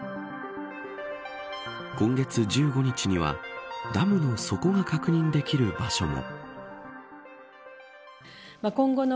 今月１５日にはダムの底が確認できる場所も。